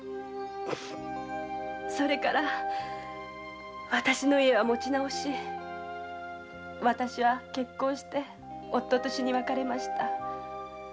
それからわたしの家は持ち直しわたしは結婚して夫と死に別れました。